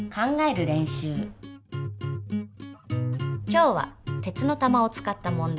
今日は鉄の玉を使った問題です。